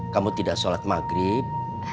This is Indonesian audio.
kamu tidak sholat maghrib